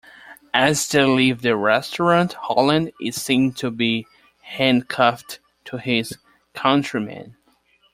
As they leave the restaurant, Holland is seen to be handcuffed to his countryman.